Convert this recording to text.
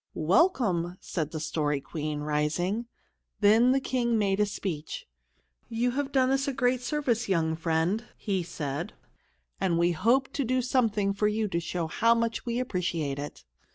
"Welcome!" said the Story Queen, rising. Then the King made a speech. "You have done us a great service, young friend," he said; "and we hope to do something for you to show how much we appreciate it."